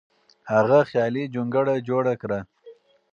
هغه خیالي جونګړه جوړه کړه.